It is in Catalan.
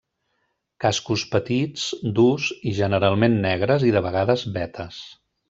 Cascos petits, durs i generalment negres i de vegades vetes.